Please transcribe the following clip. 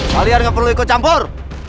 kalian nggak perlu ikut campur